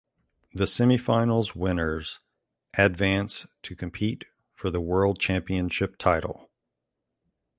The semifinals winners advance to compete for the World Championship title.